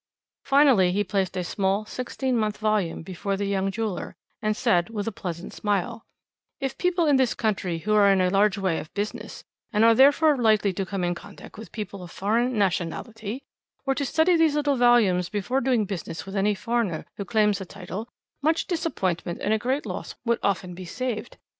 "Finally he placed a small 16mo volume before the young jeweller, and said with a pleasant smile: "'If people in this country who are in a large way of business, and are therefore likely to come in contact with people of foreign nationality, were to study these little volumes before doing business with any foreigner who claims a title, much disappointment and a great loss would often be saved.